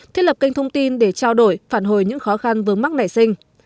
thiết lập kênh thông tin để trao đổi phản hồi những khó khăn vướng mắc nảy sinh